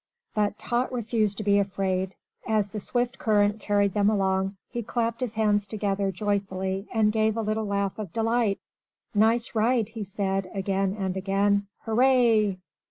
But Tot refused to be afraid. As the swift current carried them along, he clapped his hands together joyfully and gave a little laugh of delight. "Nice ride!" he said again and again. "Hooray!"